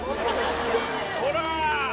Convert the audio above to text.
ほら！